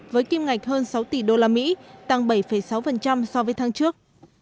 với kim ngạch hơn sáu tỷ usd tăng bảy sáu so với tháng trước